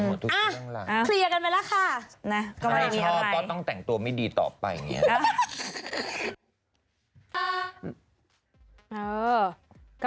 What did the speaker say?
คลียอกันไปละค่ะ